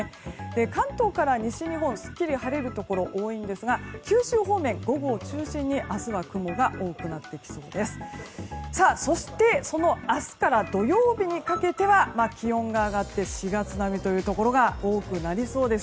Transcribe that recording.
関東から西日本すっきり晴れるところが多いんですが九州方面、午後を中心に明日は雲が多くなってきそうです。